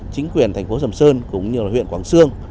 chính quyền thành phố sầm sơn cũng như huyện quảng sương